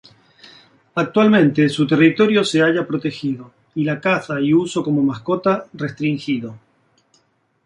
Actualmente su territorio se halla protegido y la caza y uso como mascota restringido.